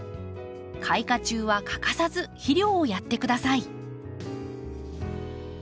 開花中は欠かさず肥料をやってください。